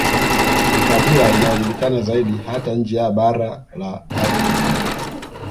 Ni kabila linalojulikana zaidi hata nje ya bara la Afrika